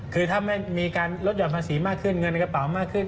คือถ้าไม่มีการลดหย่อนภาษีมากขึ้นเงินในกระเป๋ามากขึ้น